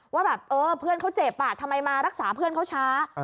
ว่าแบบเออเพื่อนเขาเจ็บทำไมมารักษาเพื่อนเขาช้า